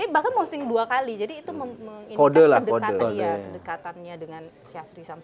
bahkan posting dua kali jadi itu menginikan kedekatannya dengan syafri sama